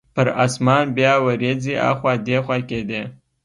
پر اسمان بیا وریځې اخوا دیخوا کیدې.